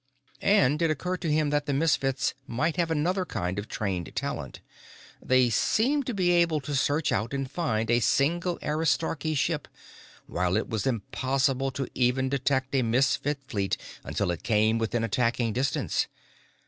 And it occurred to him that the Misfits might have another kind of trained talent. They seemed to be able to search out and find a single Aristarchy ship, while it was impossible to even detect a Misfit fleet until it came within attacking distance.